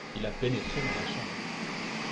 Il a pénétré dans la chambre.